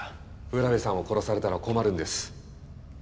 占部さんを殺されたら困るんです。